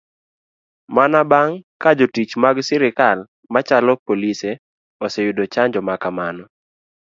Mana bang kajotich mag sirikal machalo polise oseyudo chanjo makamano.